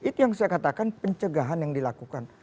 itu yang saya katakan pencegahan yang dilakukan